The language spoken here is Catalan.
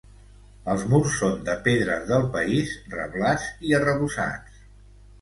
Els murs són de pedres del país, reblats i arrebossats.